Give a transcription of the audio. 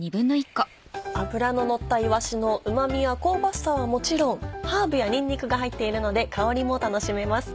脂ののったいわしのうま味や香ばしさはもちろんハーブやにんにくが入っているので香りも楽しめます。